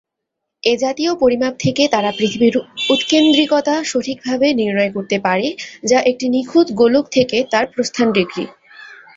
এ জাতীয় পরিমাপ থেকে তারা পৃথিবীর উৎকেন্দ্রিকতা সঠিকভাবে নির্ণয় করতে পারে যা একটি নিখুঁত গোলক থেকে তার প্রস্থান ডিগ্রি।